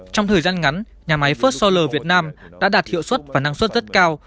trong thời gian ngắn nhà máy first solar việt nam đã đạt hiệu suất và năng suất rất cao